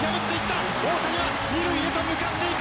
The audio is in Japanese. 大谷は二塁へと向かっていく。